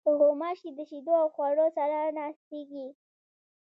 غوماشې د شیدو او خوړو سره ناستېږي.